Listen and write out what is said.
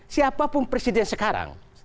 siapapun presiden sekarang